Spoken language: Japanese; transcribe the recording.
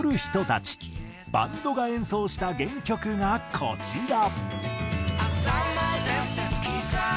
バンドが演奏した原曲がこちら。